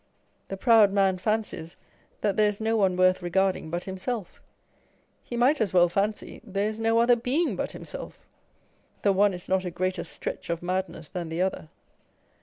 The proud man fancies that there is no one worth regarding but himself : he might as well fancy there is no other being but himself. The one is not a greater stretch of madness than the other.